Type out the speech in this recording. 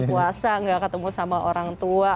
puasa gak ketemu sama orang tua